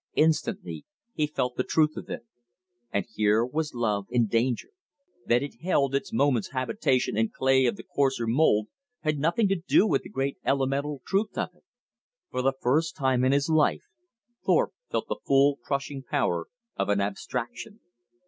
Instantly he felt the truth of it. And here was Love in danger. That it held its moment's habitation in clay of the coarser mould had nothing to do with the great elemental truth of it. For the first time in his life Thorpe felt the full crushing power of an abstraction.